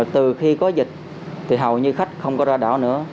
từ khi có dịch thì hầu như khách không có ra đảo nữa